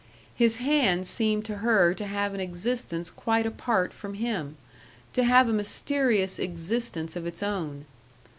His hand seemed to her to have an existence quite apart from him, to have a mysterious existence of its own.